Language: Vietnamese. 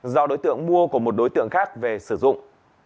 do đối tượng mua của một đối tượng khác về sử dụng